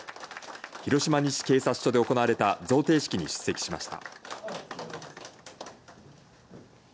広島西警察署で行われた贈呈式に出席しました。